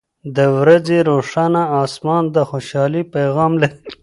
• د ورځې روښانه آسمان د خوشحالۍ پیغام لري.